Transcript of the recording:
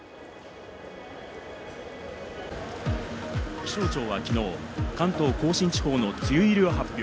気象庁はきのう関東甲信地方の梅雨入りを発表。